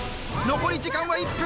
残り時間は１分。